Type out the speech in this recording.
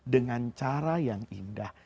dengan cara yang indah